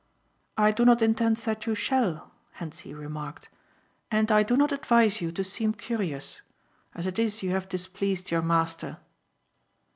"I do not intend that you shall," Hentzi remarked. "And I do not advise you to seem curious. As it is you have displeased your master."